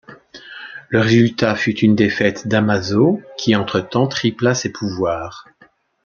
Le résultat fut une défaite d'Amazo, qui entretemps tripla ses pouvoirs.